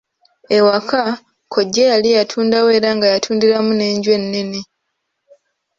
Ewaka, kkojja yali yatundawo era nga yatundiramu n'enju ennene.